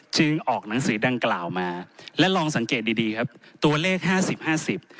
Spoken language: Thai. ออกหนังสือดังกล่าวมาและลองสังเกตดีดีครับตัวเลขห้าสิบห้าสิบ